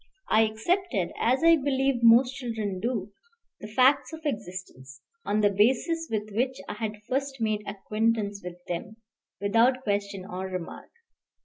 I accepted, as I believe most children do, the facts of existence, on the basis with which I had first made acquaintance with them, without question or remark.